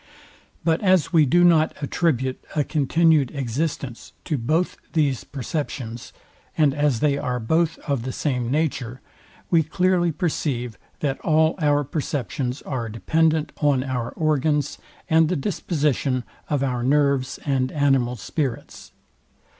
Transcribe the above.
But as we do not attribute to continued existence to both these perceptions, and as they are both of the same nature, we clearly perceive, that all our perceptions are dependent on our organs, and the disposition of our nerves and animal spirits.